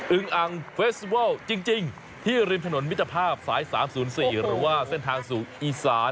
ึงอังเฟสติเวิลจริงที่ริมถนนมิตรภาพสาย๓๐๔หรือว่าเส้นทางสู่อีสาน